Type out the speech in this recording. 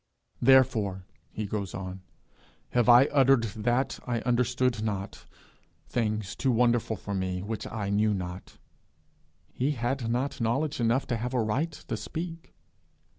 'Therefore,' he goes on, 'have I uttered that I understood not; things too wonderful for me, which I knew not.' He had not knowledge enough to have a right to speak.